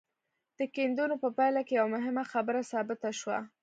د کيندنو په پايله کې يوه مهمه خبره ثابته شوه.